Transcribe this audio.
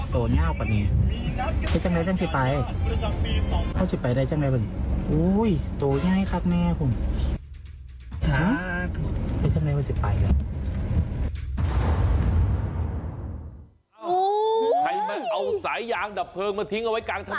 ใครมาเอาสายยางดับเพลิงมาทิ้งเอาไว้กลางถนน